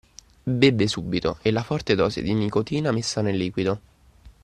Bevve subito, e la forte dose di nicotina messa nel liquido.